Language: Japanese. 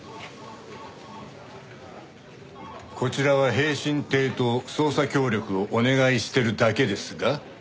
こちらは平身低頭捜査協力をお願いしてるだけですが？